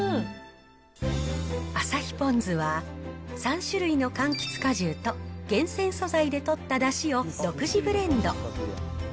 旭ポンズは、３種類のかんきつ果汁と厳選素材でとっただしを独自ブレンド。